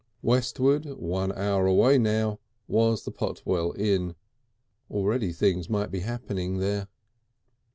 Westward, one hour away now, was the Potwell Inn. Already things might be happening there....